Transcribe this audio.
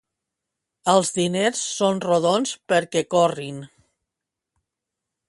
Els diners són rodons perquè corrin.